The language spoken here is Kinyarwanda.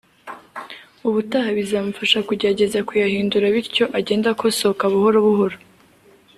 ubutaha bizamufasha kugerageza kuyahindura bityo agende akosoka buhoro buhoro